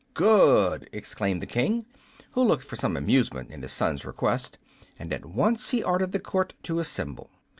"Good!" exclaimed the King, who looked for some amusement in his son's request; and at once he ordered the court to assemble.